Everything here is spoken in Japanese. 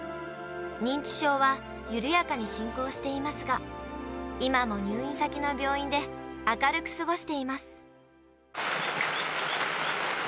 認知症は緩やかに進行していますが、今も入院先の病院で明るく過ごしています。